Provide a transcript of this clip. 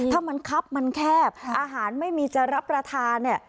ถ้ามันครับมันแคบอาหารไม่มีจะรับประทานเนี่ย